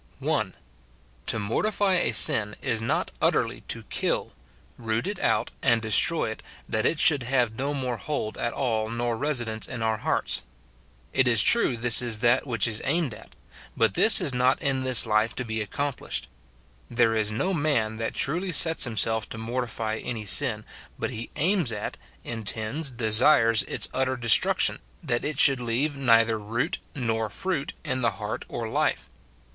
I. 1. (1.) To mortify a sin is not utterly to kill, root it out, and destroy it, that it should have no more hold at all nor residence in our hearts. It is true this is that which is aimed at ; but this is not in this life to be ac complished. There is no man that truly sets himself to mortify any sin, but he aims at, intends, desires its utter destruction, that it should leave neither root nor fruit in the heart or life.